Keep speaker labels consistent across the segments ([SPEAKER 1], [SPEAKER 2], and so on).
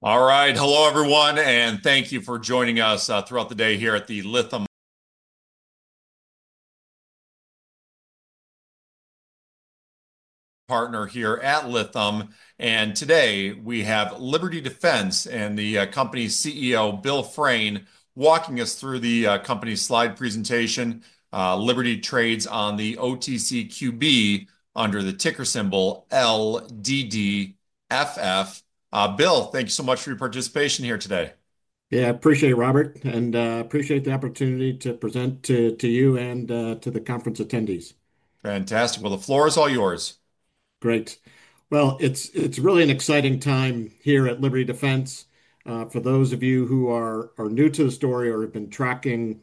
[SPEAKER 1] All right, hello everyone, and thank you for joining us throughout the day here at the partner here at Lytham. Today we have Liberty Defense and the company's CEO, Bill Frain, walking us through the company's slide presentation. Liberty trades on the OTCQB under the ticker symbol LDDFF. Bill, thank you so much for your participation here today.
[SPEAKER 2] Yeah, I appreciate it, Robert, and I appreciate the opportunity to present to you and to the conference attendees.
[SPEAKER 1] Fantastic. The floor is all yours.
[SPEAKER 2] Great. It is really an exciting time here at Liberty Defense. For those of you who are new to the story or have been tracking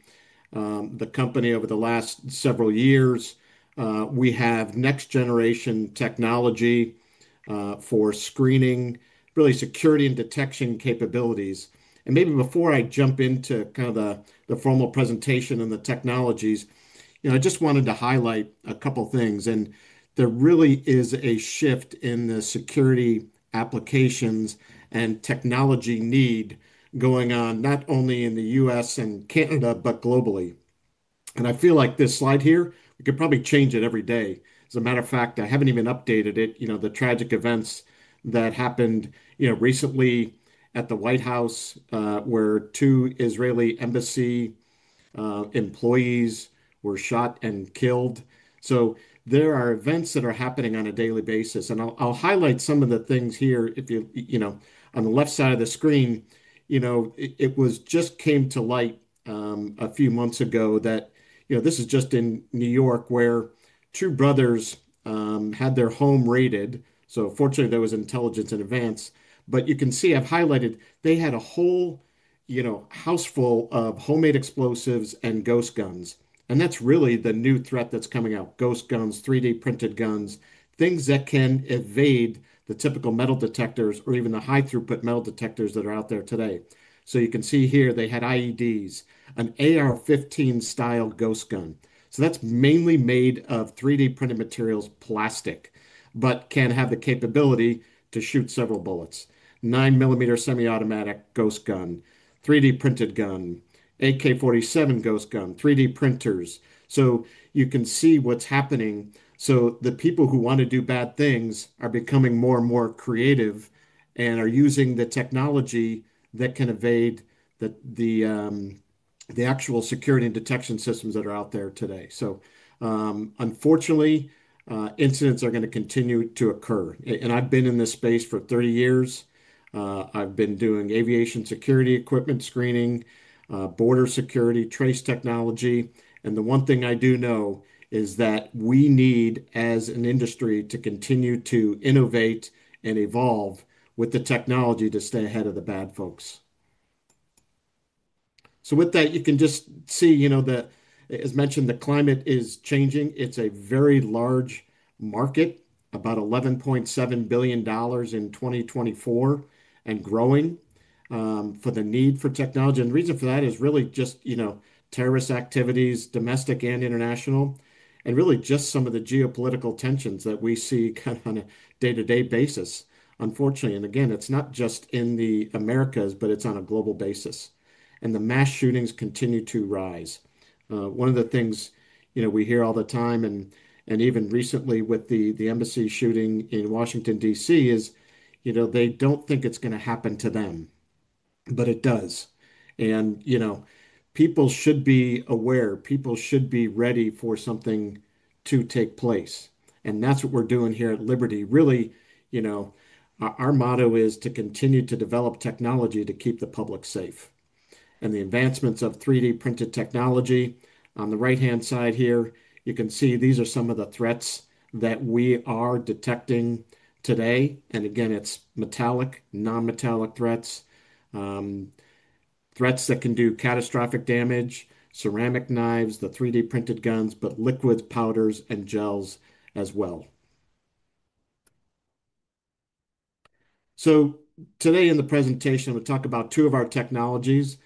[SPEAKER 2] the company over the last several years, we have next-generation technology for screening, really security and detection capabilities. Maybe before I jump into kind of the formal presentation and the technologies, you know, I just wanted to highlight a couple of things. There really is a shift in the security applications and technology need going on not only in the U.S. and Canada, but globally. I feel like this slide here, we could probably change it every day. As a matter of fact, I have not even updated it, you know, the tragic events that happened, you know, recently at the White House where two Israeli embassy employees were shot and killed. There are events that are happening on a daily basis. I'll highlight some of the things here. If you, you know, on the left side of the screen, you know, it just came to light a few months ago that, you know, this is just in New York where two brothers had their home raided. Fortunately, there was intelligence in advance. You can see I've highlighted they had a whole, you know, houseful of homemade explosives and ghost guns. That's really the new threat that's coming out: ghost guns, 3D printed guns, things that can evade the typical metal detectors or even the high-throughput metal detectors that are out there today. You can see here they had IEDs, an AR-15 style ghost gun. That's mainly made of 3D printed materials, plastic, but can have the capability to shoot several bullets: 9mm semi-automatic ghost gun, 3D printed gun, AK-47 ghost gun, 3D printers. You can see what's happening. The people who want to do bad things are becoming more and more creative and are using the technology that can evade the actual security and detection systems that are out there today. Unfortunately, incidents are going to continue to occur. I've been in this space for 30 years. I've been doing aviation security equipment screening, border security, trace technology. The one thing I do know is that we need, as an industry, to continue to innovate and evolve with the technology to stay ahead of the bad folks. With that, you can just see, you know, that, as mentioned, the climate is changing. It's a very large market, about $11.7 billion in 2024 and growing for the need for technology. The reason for that is really just, you know, terrorist activities, domestic and international, and really just some of the geopolitical tensions that we see kind of on a day-to-day basis, unfortunately. It is not just in the Americas, but it is on a global basis. The mass shootings continue to rise. One of the things, you know, we hear all the time and even recently with the embassy shooting in Washington, D.C., is, you know, they do not think it is going to happen to them, but it does. You know, people should be aware. People should be ready for something to take place. That is what we are doing here at Liberty. Really, you know, our motto is to continue to develop technology to keep the public safe. The advancements of 3D printed technology on the right-hand side here, you can see these are some of the threats that we are detecting today. It's metallic, non-metallic threats, threats that can do catastrophic damage, ceramic knives, the 3D printed guns, but liquid powders and gels as well. Today in the presentation, we'll talk about two of our technologies.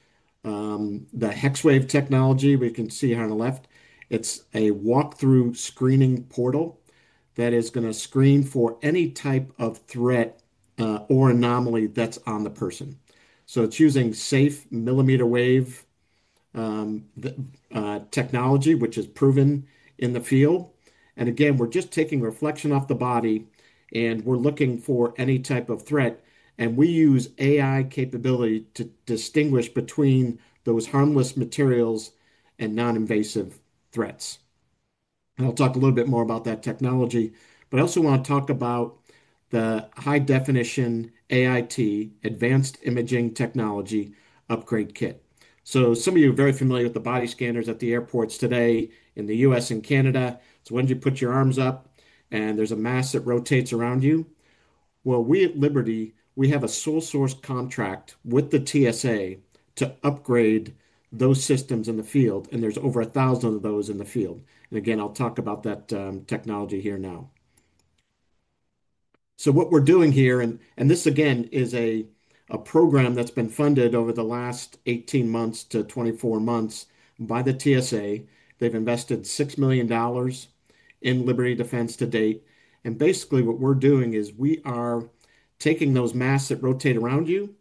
[SPEAKER 2] The HEXWAVE technology, we can see here on the left, it's a walkthrough screening portal that is going to screen for any type of threat or anomaly that's on the person. It's using safe millimeter wave technology, which is proven in the field. We're just taking a reflection off the body and we're looking for any type of threat. We use AI capability to distinguish between those harmless materials and non-invasive threats. I'll talk a little bit more about that technology. I also want to talk about the high-definition AIT, Advanced Imaging Technology Upgrade Kit. Some of you are very familiar with the body scanners at the airports today in the U.S. and Canada. When you put your arms up and there is a mass that rotates around you. We at Liberty, we have a sole source contract with the TSA to upgrade those systems in the field. There are over 1,000 of those in the field. Again, I'll talk about that technology here now. What we are doing here, and this again is a program that has been funded over the last 18-24 months by the TSA. They have invested $6 million in Liberty Defense to date. Basically, what we are doing is we are taking those mass that rotate around you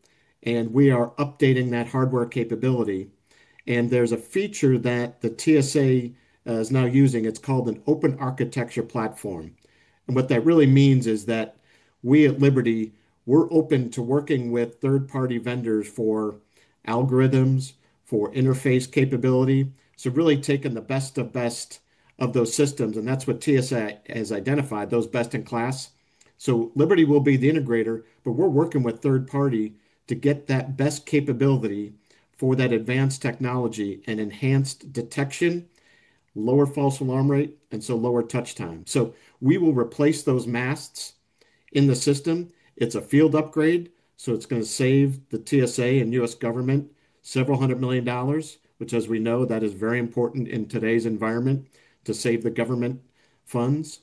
[SPEAKER 2] and we are updating that hardware capability. There is a feature that the TSA is now using. It is called an open architecture platform. What that really means is that we at Liberty, we are open to working with third-party vendors for algorithms, for interface capability. Really taking the best of best of those systems. That is what TSA has identified, those best in class. Liberty will be the integrator, but we are working with third party to get that best capability for that advanced technology and enhanced detection, lower false alarm rate, and lower touch time. We will replace those masts in the system. It is a field upgrade. It is going to save the TSA and U.S. government several hundred million dollars, which as we know, that is very important in today's environment to save the government funds.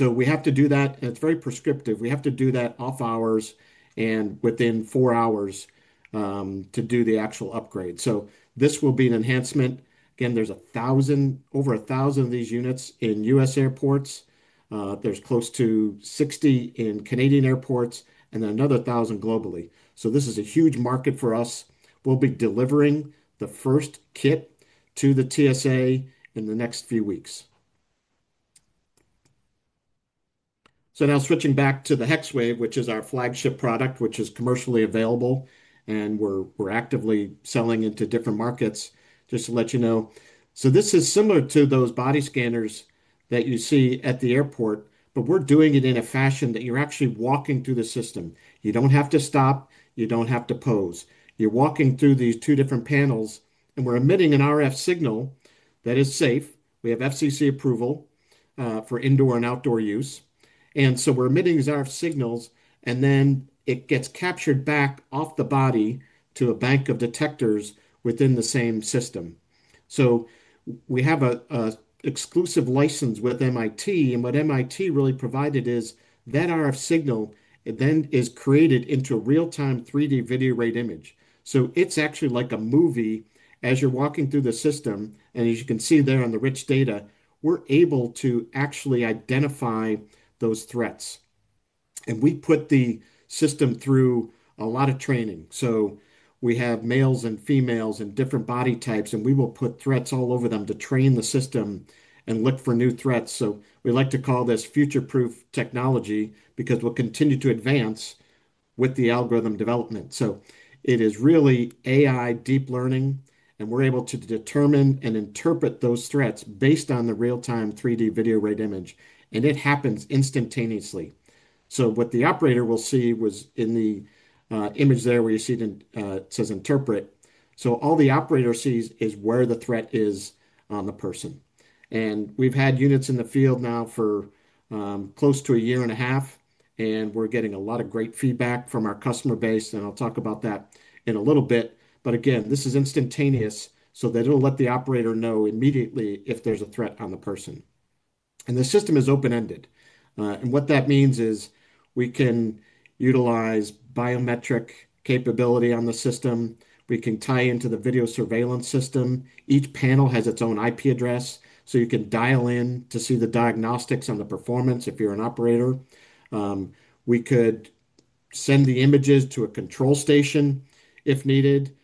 [SPEAKER 2] We have to do that. It is very prescriptive. We have to do that off hours and within four hours to do the actual upgrade. This will be an enhancement. Again, there's over 1,000 of these units in U.S. airports. There's close to 60 in Canadian airports and then another 1,000 globally. This is a huge market for us. We'll be delivering the first kit to the TSA in the next few weeks. Now switching back to the HEXWAVE, which is our flagship product, which is commercially available and we're actively selling into different markets just to let you know. This is similar to those body scanners that you see at the airport, but we're doing it in a fashion that you're actually walking through the system. You don't have to stop. You don't have to pose. You're walking through these two different panels and we're emitting an RF signal that is safe. We have FCC approval for indoor and outdoor use. We're emitting these RF signals and then it gets captured back off the body to a bank of detectors within the same system. We have an exclusive license with MIT. What MIT really provided is that RF signal then is created into a real-time 3D video rate image. It's actually like a movie as you're walking through the system. As you can see there on the rich data, we're able to actually identify those threats. We put the system through a lot of training. We have males and females and different body types. We will put threats all over them to train the system and look for new threats. We like to call this future-proof technology because we'll continue to advance with the algorithm development. It is really AI deep learning. We're able to determine and interpret those threats based on the real-time 3D video rate image. It happens instantaneously. What the operator will see was in the image there where you see it says interpret. All the operator sees is where the threat is on the person. We've had units in the field now for close to a year and a half. We're getting a lot of great feedback from our customer base. I'll talk about that in a little bit. Again, this is instantaneous so that it'll let the operator know immediately if there's a threat on the person. The system is open-ended. What that means is we can utilize biometric capability on the system. We can tie into the video surveillance system. Each panel has its own IP address. You can dial in to see the diagnostics on the performance if you're an operator. We could send the images to a control station if needed.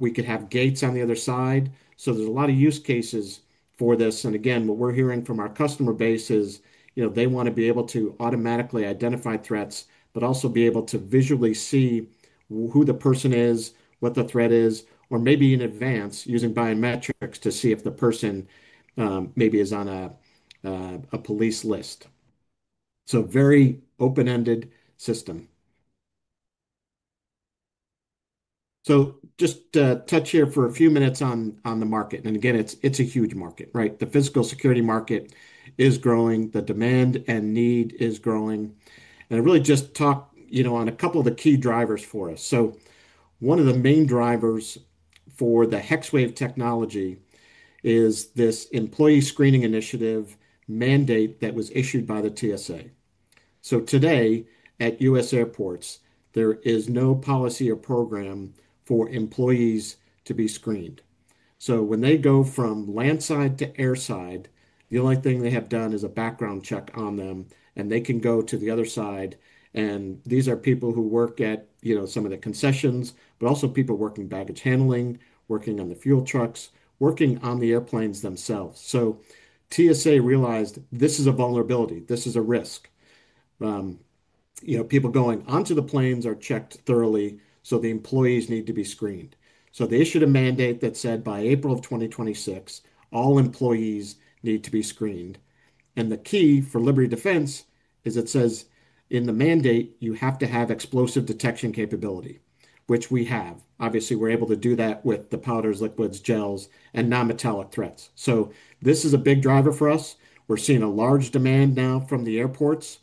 [SPEAKER 2] We could have gates on the other side. There's a lot of use cases for this. Again, what we're hearing from our customer base is, you know, they want to be able to automatically identify threats, but also be able to visually see who the person is, what the threat is, or maybe in advance using biometrics to see if the person maybe is on a police list. Very open-ended system. Just to touch here for a few minutes on the market. Again, it's a huge market, right? The physical security market is growing. The demand and need is growing. I really just talk, you know, on a couple of the key drivers for us. One of the main drivers for the HEXWAVE technology is this employee screening initiative mandate that was issued by the TSA. Today at U.S. airports, there is no policy or program for employees to be screened. When they go from landside to airside, the only thing they have done is a background check on them. They can go to the other side. These are people who work at, you know, some of the concessions, but also people working baggage handling, working on the fuel trucks, working on the airplanes themselves. TSA realized this is a vulnerability. This is a risk. You know, people going onto the planes are checked thoroughly. The employees need to be screened. They issued a mandate that said by April of 2026, all employees need to be screened. The key for Liberty Defense is it says in the mandate, you have to have explosive detection capability, which we have. Obviously, we're able to do that with the powders, liquids, gels, and non-metallic threats. This is a big driver for us. We're seeing a large demand now from the airports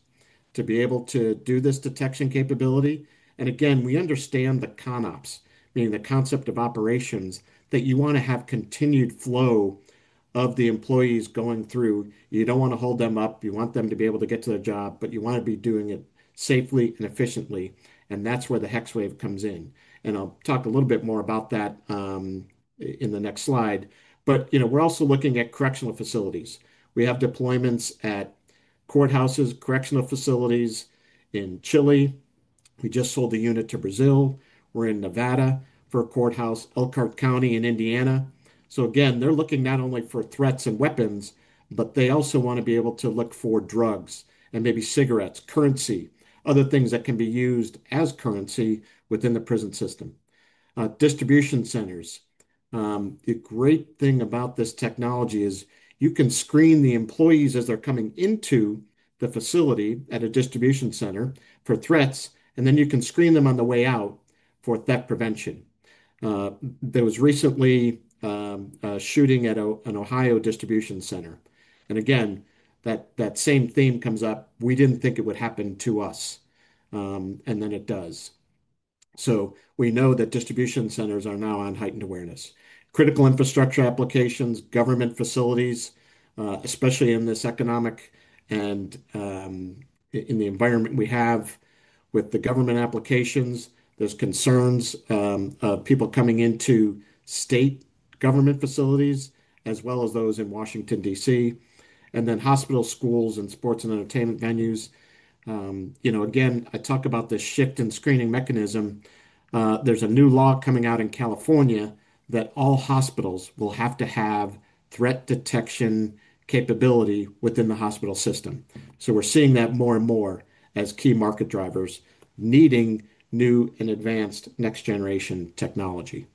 [SPEAKER 2] to be able to do this detection capability. Again, we understand the CONOPS, meaning the Concept of Operations, that you want to have continued flow of the employees going through. You don't want to hold them up. You want them to be able to get to their job, but you want to be doing it safely and efficiently. That's where the HEXWAVE comes in. I'll talk a little bit more about that in the next slide. You know, we're also looking at correctional facilities. We have deployments at courthouses, correctional facilities in Chile. We just sold a unit to Brazil. We're in Nevada for a courthouse, Elkhart County in Indiana. Again, they're looking not only for threats and weapons, but they also want to be able to look for drugs and maybe cigarettes, currency, other things that can be used as currency within the prison system. Distribution centers. The great thing about this technology is you can screen the employees as they're coming into the facility at a distribution center for threats, and then you can screen them on the way out for theft prevention. There was recently a shooting at an Ohio distribution center. That same theme comes up. We didn't think it would happen to us. It does. We know that distribution centers are now on heightened awareness. Critical infrastructure applications, government facilities, especially in this economic and in the environment we have with the government applications, there's concerns of people coming into state government facilities as well as those in Washington, D.C.. You know, and then hospitals, schools, and sports and entertainment venues. You know, again, I talk about the shift in screening mechanism. There's a new law coming out in California that all hospitals will have to have threat detection capability within the hospital system. You know, so we're seeing that more and more as key market drivers needing new and advanced next-generation technology.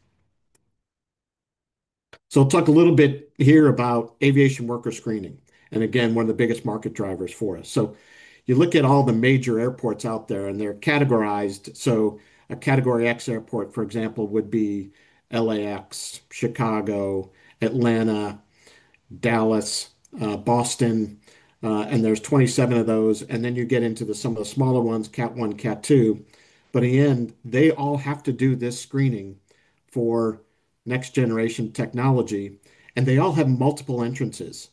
[SPEAKER 2] I'll talk a little bit here about aviation worker screening. And again, one of the biggest market drivers for us. You look at all the major airports out there and they're categorized. A category X airport, for example, would be LAX, Chicago, Atlanta, Dallas, Boston. And there's 27 of those. Then you get into some of the smaller ones, CAT I, CAT II. Again, they all have to do this screening for next-generation technology. They all have multiple entrances.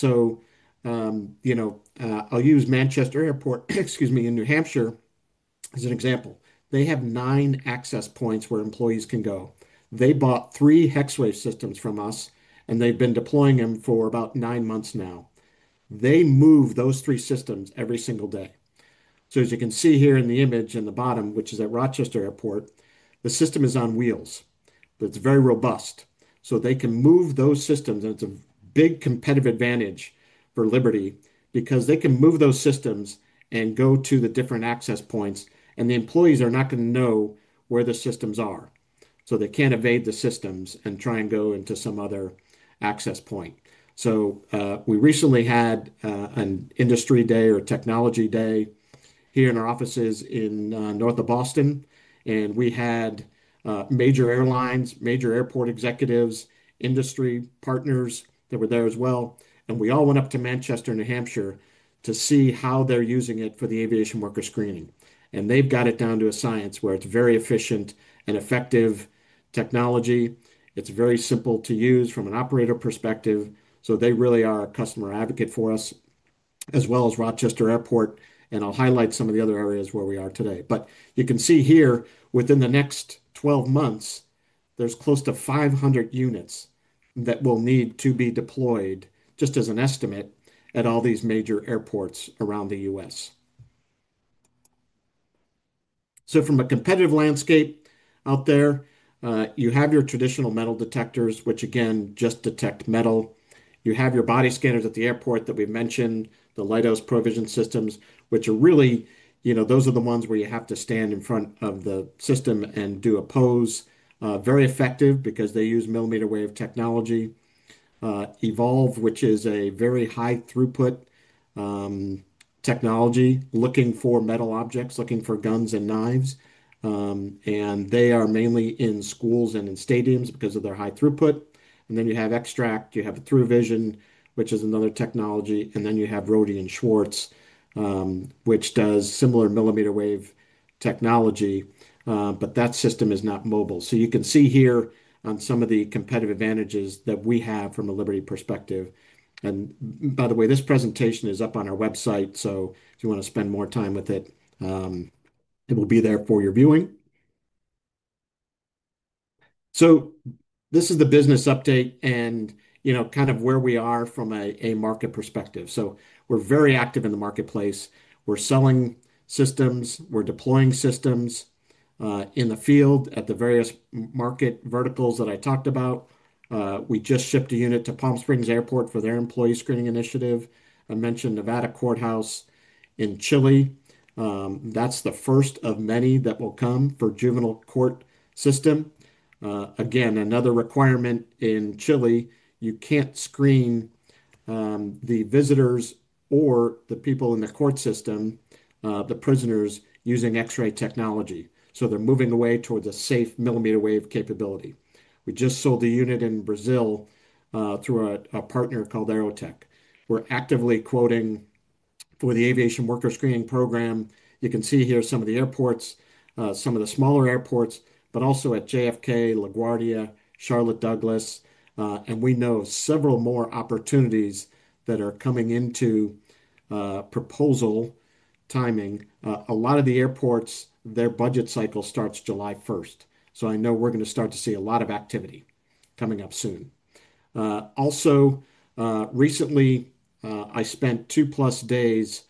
[SPEAKER 2] You know, I'll use Manchester Airport, excuse me, in New Hampshire as an example. They have nine access points where employees can go. They bought three HEXWAVE systems from us and they've been deploying them for about nine months now. They move those three systems every single day. As you can see here in the image in the bottom, which is at Rochester Airport, the system is on wheels, but it's very robust. They can move those systems and it's a big competitive advantage for Liberty because they can move those systems and go to the different access points. The employees are not going to know where the systems are. They can't evade the systems and try and go into some other access point. We recently had an industry day or technology day here in our offices in north of Boston. We had major airlines, major airport executives, industry partners that were there as well. We all went up to Manchester, New Hampshire to see how they're using it for the aviation worker screening. They've got it down to a science where it's very efficient and effective technology. It's very simple to use from an operator perspective. They really are a customer advocate for us as well as Rochester Airport. I'll highlight some of the other areas where we are today. You can see here within the next 12 months, there's close to 500 units that will need to be deployed just as an estimate at all these major airports around the U.S. From a competitive landscape out there, you have your traditional metal detectors, which again, just detect metal. You have your body scanners at the airport that we've mentioned, the Leidos Pro:Vision systems, which are really, you know, those are the ones where you have to stand in front of the system and do a pose. Very effective because they use millimeter wave technology. Evolv, which is a very high throughput technology looking for metal objects, looking for guns and knives. They are mainly in schools and in stadiums because of their high throughput. Then you have Xtract, you have Thruvision, which is another technology. You have Rohde & Schwarz, which does similar millimeter wave technology. That system is not mobile. You can see here on some of the competitive advantages that we have from a Liberty perspective. By the way, this presentation is up on our website. If you want to spend more time with it, it will be there for your viewing. This is the business update and, you know, kind of where we are from a market perspective. We're very active in the marketplace. We're selling systems. We're deploying systems in the field at the various market verticals that I talked about. We just shipped a unit to Palm Springs Airport for their employee screening initiative. I mentioned Nevada Courthouse in Chile. That's the first of many that will come for juvenile court system. Again, another requirement in Chile, you can't screen the visitors or the people in the court system, the prisoners using X-ray technology. They are moving away towards a safe millimeter wave capability. We just sold a unit in Brazil through a partner called Aerotech. We're actively quoting for the aviation worker screening program. You can see here some of the airports, some of the smaller airports, but also at JFK, LaGuardia, Charlotte Douglas. We know several more opportunities that are coming into proposal timing. A lot of the airports, their budget cycle starts July 1st. I know we're going to start to see a lot of activity coming up soon. Also, recently, I spent two plus days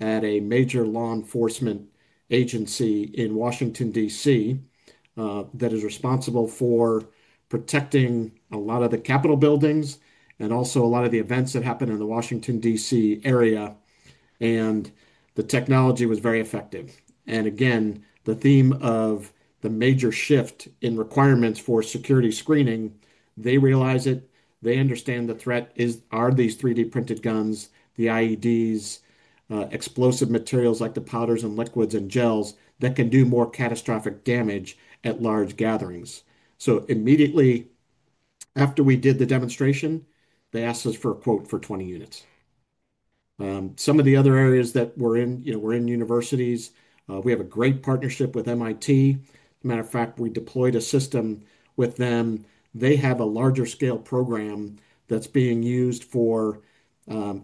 [SPEAKER 2] at a major law enforcement agency in Washington, D.C., that is responsible for protecting a lot of the Capitol buildings and also a lot of the events that happen in the Washington, D.C. area. The technology was very effective. Again, the theme of the major shift in requirements for security screening, they realize it. They understand the threat is, are these 3D printed guns, the IEDs, explosive materials like the powders and liquids and gels that can do more catastrophic damage at large gatherings. Immediately after we did the demonstration, they asked us for a quote for 20 units. Some of the other areas that we're in, you know, we're in universities. We have a great partnership with MIT. As a matter of fact, we deployed a system with them. They have a larger scale program that is being used for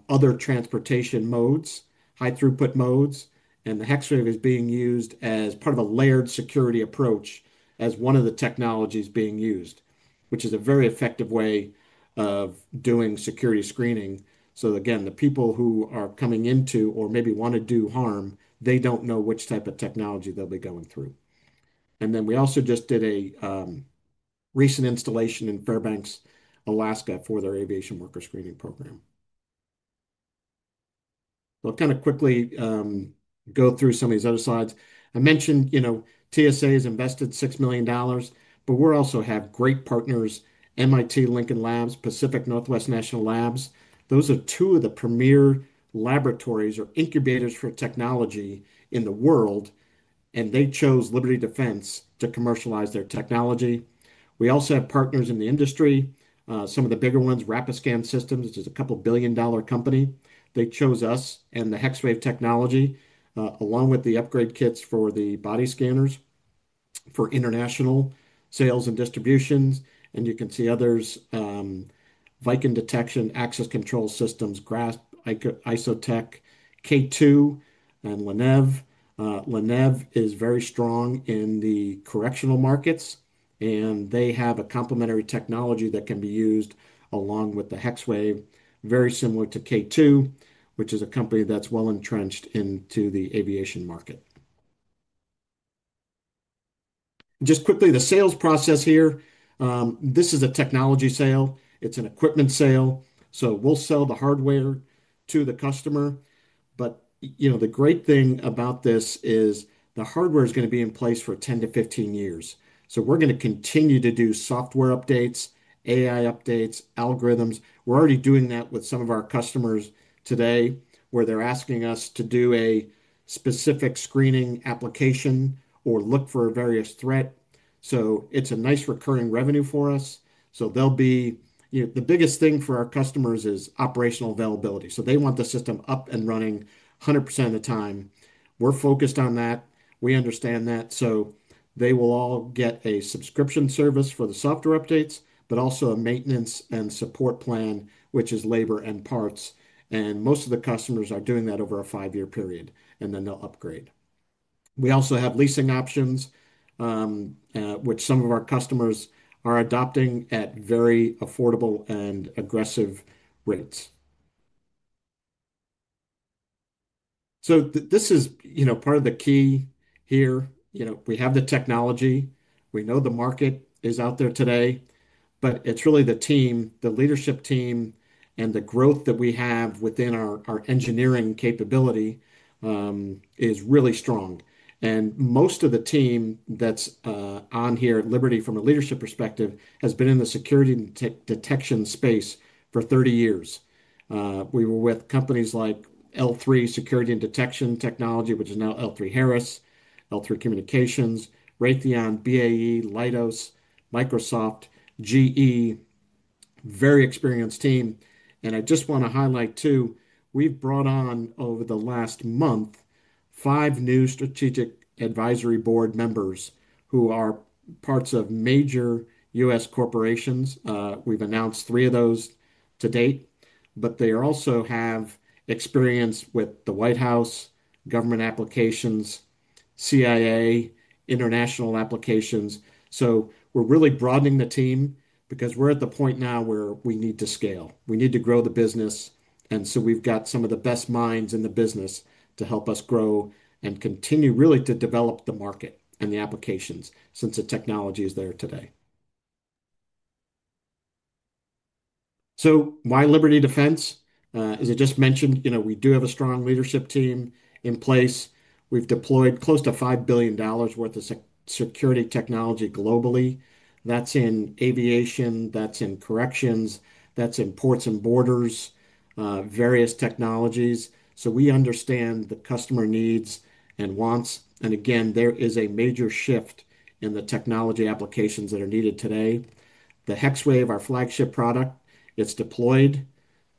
[SPEAKER 2] other transportation modes, high throughput modes. The HEXWAVE is being used as part of a layered security approach as one of the technologies being used, which is a very effective way of doing security screening. Again, the people who are coming into or maybe want to do harm, they do not know which type of technology they will be going through. We also just did a recent installation in Fairbanks, Alaska for their aviation worker screening program. I will kind of quickly go through some of these other slides. I mentioned, you know, TSA has invested $6 million, but we also have great partners, MIT Lincoln Labs, Pacific Northwest National Labs. Those are two of the premier laboratories or incubators for technology in the world. They chose Liberty Defense to commercialize their technology. We also have partners in the industry. Some of the bigger ones, Rapiscan Systems, which is a couple of billion dollar company. They chose us and the HEXWAVE technology along with the upgrade kits for the body scanners for international sales and distributions. You can see others, Viken Detection, Access Control Systems, Grasp, Isotec, K2, and LINEV. LINEV is very strong in the correctional markets. They have a complementary technology that can be used along with the HEXWAVE, very similar to K2, which is a company that's well entrenched into the aviation market. Just quickly, the sales process here, this is a technology sale. It's an equipment sale. We'll sell the hardware to the customer. You know, the great thing about this is the hardware is going to be in place for 10 to 15 years. We're going to continue to do software updates, AI updates, algorithms. We're already doing that with some of our customers today where they're asking us to do a specific screening application or look for a various threat. It's a nice recurring revenue for us. The biggest thing for our customers is operational availability. They want the system up and running 100% of the time. We're focused on that. We understand that. They will all get a subscription service for the software updates, but also a maintenance and support plan, which is labor and parts. Most of the customers are doing that over a five-year period, and then they'll upgrade. We also have leasing options, which some of our customers are adopting at very affordable and aggressive rates. This is part of the key here. You know, we have the technology. We know the market is out there today, but it's really the team, the leadership team, and the growth that we have within our engineering capability is really strong. Most of the team that's on here at Liberty from a leadership perspective has been in the security and detection space for 30 years. We were with companies like L-3 Security and Detection Technology, which is now L3Harris, L-3 Communications, Raytheon, BAE, Microsoft, GE, very experienced team. I just want to highlight too, we've brought on over the last month five new strategic advisory board members who are parts of major U.S. corporations. We've announced three of those to date, but they also have experience with the White House, government applications, CIA, international applications. We are really broadening the team because we're at the point now where we need to scale. We need to grow the business. And so we've got some of the best minds in the business to help us grow and continue really to develop the market and the applications since the technology is there today. So why Liberty Defense? As I just mentioned, you know, we do have a strong leadership team in place. We've deployed close to $5 billion worth of security technology globally. That's in aviation, that's in corrections, that's in ports and borders, various technologies. So we understand the customer needs and wants. And again, there is a major shift in the technology applications that are needed today. The HEXWAVE, our flagship product, it's deployed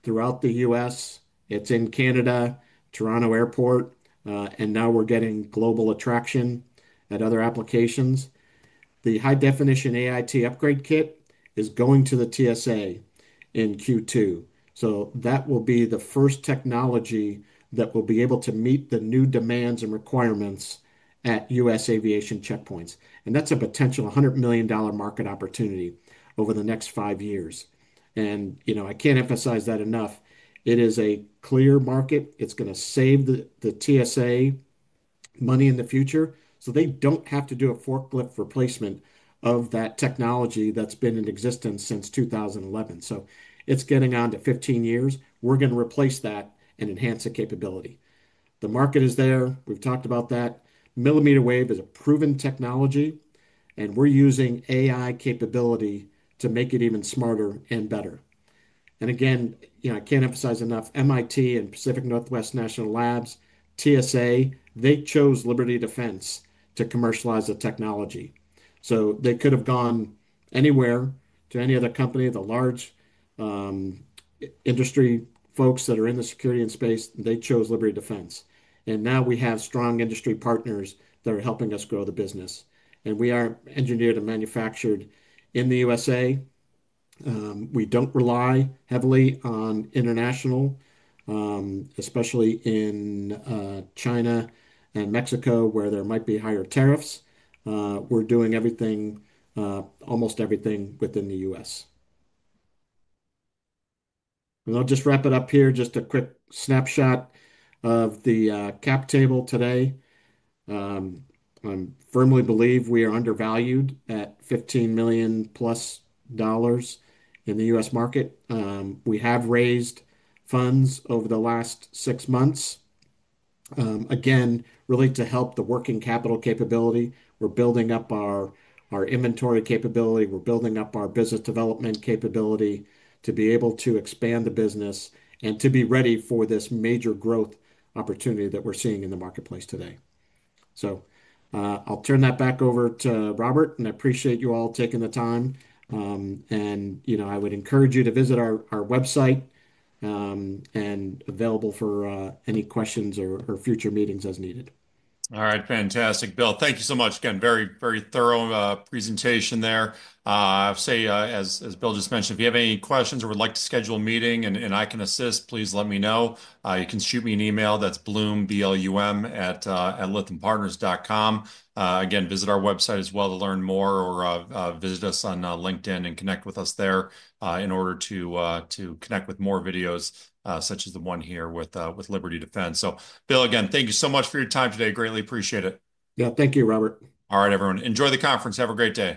[SPEAKER 2] throughout the U.S. It's in Canada, Toronto Airport, and now we're getting global attraction at other applications. The high-definition AIT upgrade kit is going to the TSA in Q2. That will be the first technology that will be able to meet the new demands and requirements at U.S. aviation checkpoints. That's a potential $100 million market opportunity over the next five years. You know, I can't emphasize that enough. It is a clear market. It's going to save the TSA money in the future, so they don't have to do a forklift replacement of that technology that's been in existence since 2011. It's getting on to 15 years. We're going to replace that and enhance the capability. The market is there. We've talked about that. Millimeter wave is a proven technology, and we're using AI capability to make it even smarter and better. Again, you know, I can't emphasize enough, MIT and Pacific Northwest National Labs, TSA, they chose Liberty Defense to commercialize the technology. They could have gone anywhere to any other company, the large industry folks that are in the security and space, they chose Liberty Defense. Now we have strong industry partners that are helping us grow the business. We are engineered and manufactured in the U.S. We do not rely heavily on international, especially in China and Mexico where there might be higher tariffs. We are doing everything, almost everything within the U.S. I'll just wrap it up here, just a quick snapshot of the cap table today. I firmly believe we are undervalued at $15 million plus dollars in the U.S. market. We have raised funds over the last six months, again, really to help the working capital capability. We are building up our inventory capability. We're building up our business development capability to be able to expand the business and to be ready for this major growth opportunity that we're seeing in the marketplace today. I appreciate you all taking the time. You know, I would encourage you to visit our website and I am available for any questions or future meetings as needed.
[SPEAKER 1] All right. Fantastic, Bill. Thank you so much again. Very, very thorough presentation there. I'll say, as Bill just mentioned, if you have any questions or would like to schedule a meeting and I can assist, please let me know. You can shoot me an email. That's blum@lythampartners.com. Again, visit our website as well to learn more or visit us on LinkedIn and connect with us there in order to connect with more videos such as the one here with Liberty Defense. So, Bill, again, thank you so much for your time today. Greatly appreciate it.
[SPEAKER 2] Yeah, thank you, Robert.
[SPEAKER 1] All right, everyone. Enjoy the conference. Have a great day.